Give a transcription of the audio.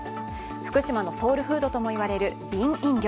福島のソウルフードともいわれる瓶飲料。